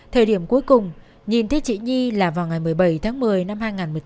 thời điểm cuối cùng nhìn thấy chị nhi là vào ngày một mươi bảy tháng một mươi năm hai nghìn một mươi chín